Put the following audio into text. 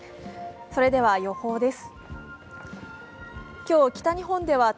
それでは予報です。